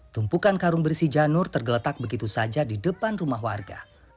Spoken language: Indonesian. tumpukan karung berisi janur tergeletak begitu saja di depan rumah warga